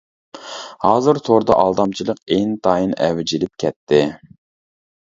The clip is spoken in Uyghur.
ھازىر توردا ئالدامچىلىق ئىنتايىن ئەۋج ئېلىپ كەتتى.